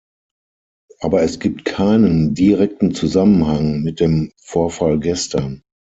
Aber es gibt keinen direkten Zusammenhang mit dem Vorfall gestern.